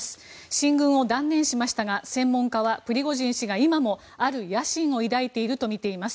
進軍を断念しましたが専門家はプリゴジン氏が今もある野心を抱いているとみています。